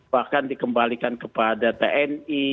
bahkan dikembalikan kepada tni